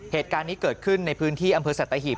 เหตุการณ์นี้เกิดขึ้นในพื้นที่อำเภอสัตหีบ